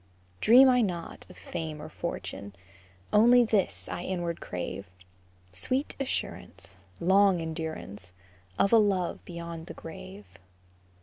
Dream I not of fame or fortune, Only this I inward crave, Sweet assurance, Long endurance, Of a love beyond the grave.